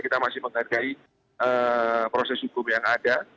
kita masih menghargai proses hukum yang ada